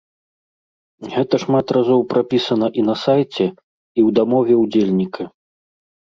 Гэта шмат разоў прапісана і на сайце, і ў дамове ўдзельніка.